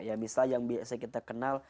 ya misalnya yang biasa kita kenal